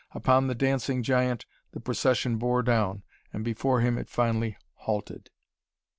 Upon the dancing giant the procession bore down, and before him it finally halted.